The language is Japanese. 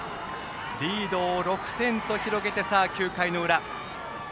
リードを６点と広げてさあ、９回の裏。